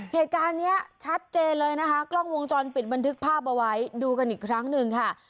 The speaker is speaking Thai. เหตุการณ์นี้ชัดเจนเลยนะคะกล้องวงจรปิดบันทึกภาพเอาไว้ดูกันอีกครั้งหนึ่งค่ะ